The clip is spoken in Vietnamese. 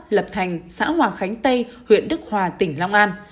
lập thành xã hòa khánh tây huyện đức hòa tỉnh long an